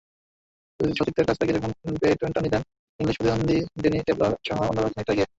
সতীর্থের কাছ থেকে যখন ব্যাটনটা নিলেন, ইংলিশ প্রতিদ্বন্দ্বী ড্যানি ট্যালবটসহ অন্যরাও খানিকটা এগিয়ে।